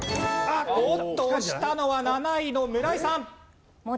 おっと押したのは７位の村井さん。